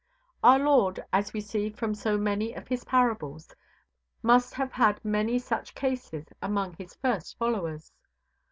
Our Lord, as we see from so many of His parables, must have had many such cases among His first followers.